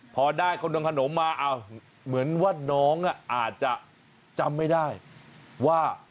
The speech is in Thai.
พอได้ขนมขนมมาเหมือนว่าน้องอาจจะจำไม่ได้ว่า